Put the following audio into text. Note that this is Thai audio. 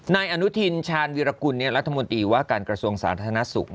นายอนุทินชาญวิรากุลรัฐมนตรีว่าการกระทรวงสาธารณสุข